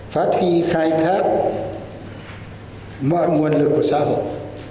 phát huy khai thác mọi nguồn lực của xã hội